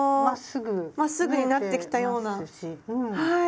まっすぐになってきたようなはい。